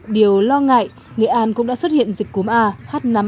điều lo ngại nghệ an cũng đã xuất hiện dịch cúm a h năm n sáu